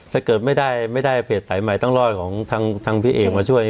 ถ้าเกิดไม่ได้เพจสายใหม่ต้องรอดของทางพี่เอกมาช่วย